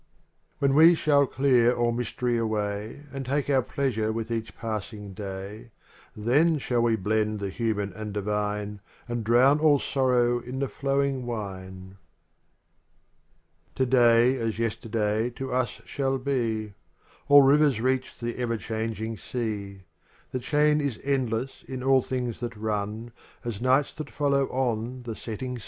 xli When we shall clear all mystery away And take our pleasure with each passing day,, Then shal] we blend the human and divine And drown all sorrow in the flowing wine. ■'■WW. XLU Today as yesterday to us shall be; All rivers reach the ever changing sea; The chain is endless in all things that run, As nights that follow on the setting sun.